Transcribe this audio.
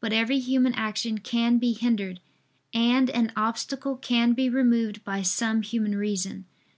But every human action can be hindered, and an obstacle can be removed by some human reason.